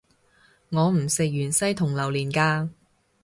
我唔食芫茜同榴連架